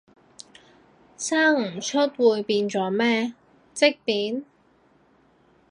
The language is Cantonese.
生唔出會變咗咩，積便？